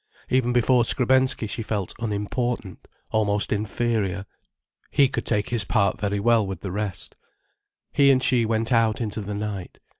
Even before Skrebensky she felt unimportant, almost inferior. He could take his part very well with the rest. He and she went out into the night.